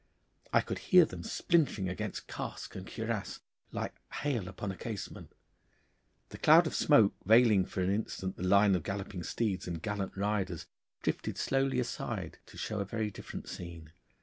I could hear them splintering against casque and cuirass like hail upon a casement. The cloud of smoke veiling for an instant the line of galloping steeds and gallant riders drifted slowly aside to show a very different scene.